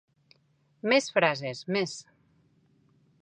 Més frases, més.